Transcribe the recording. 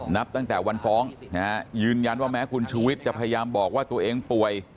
นับตั้งแต่วันฟ้องยืนยันว่าแม้คุณชูวิทย์จะพยายามบอกว่าตัวเองป่วย